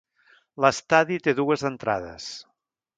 L'estadi té dues entrades.